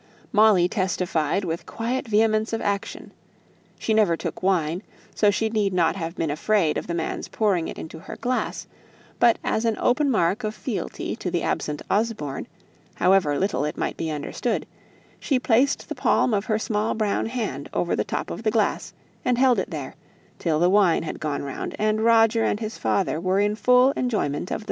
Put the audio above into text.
Molly testified with quiet vehemence of action; she never took wine, so she need not have been afraid of the man's pouring it into her glass; but as an open mark of fealty to the absent Osborne, however little it might be understood, she placed the palm of her small brown hand over the top of the glass, and held it there, till the wine had gone round, and Roger and his father were in full enjoyment of it.